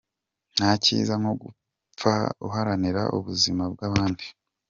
Nta cyiza nko gupfa uharanira ubuzima bw’abandi.